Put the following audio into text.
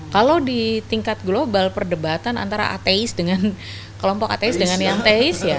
kalau di tingkat global perdebatan antara ateis dengan kelompok ateis dengan yang teis ya